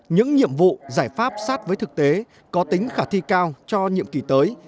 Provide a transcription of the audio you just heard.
những nhiệm vụ giải pháp sát với thực tế có tính khả thi cao cho nhiệm kỳ tới